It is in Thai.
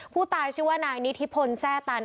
ผู้ตายชื่อว่านายนิธิพลแซ่ตัน